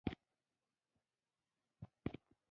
هغوی خپل غلامان آزاد نه کړل.